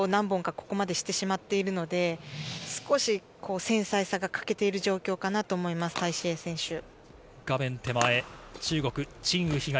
ここまでしてしまっているので少し繊細さが欠けている状況かなと思います、タイ・シエイ選手。